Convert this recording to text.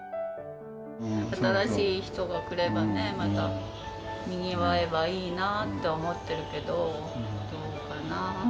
新しい人が来ればね、またにぎわえばいいなとは思ってるけど、どうかな。